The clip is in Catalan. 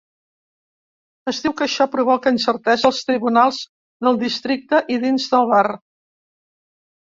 Es diu que això provoca incertesa als tribunals del districte i dins del bar.